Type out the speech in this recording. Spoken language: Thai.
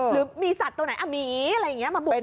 หรือมีสัตว์ตัวไหนอ่ะหมีอะไรอย่างเงี้ยมาบุกรึเปล่า